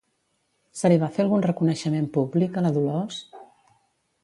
Se li va fer algun reconeixement públic, a la Dolors?